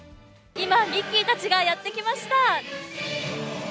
今、ミッキーたちがやって来ました。